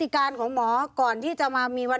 มีความรู้สึกว่ามีความรู้สึกว่า